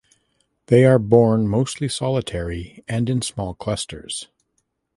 They are borne mostly solitary and in small clusters.